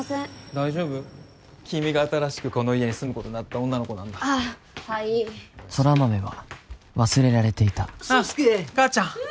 大丈夫？君が新しくこの家に住むことになった女の子なんだあっはいい空豆は忘れられていた爽介かーちゃん